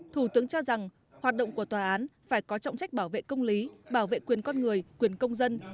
thủ tướng cho rằng hoạt động của tòa án phải có trọng trách bảo vệ công lý bảo vệ quyền con người quyền công dân